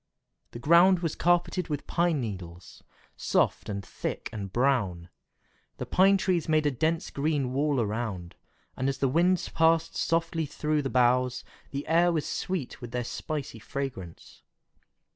The ground was carpeted with pine needles, soft and thick and brown. The pine trees made a dense green wall around, and as the wind passed softly through the boughs, the air was sweet with their spicy fragrance.